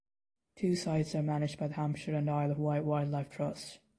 Two sites are managed by the Hampshire and Isle of Wight Wildlife Trust.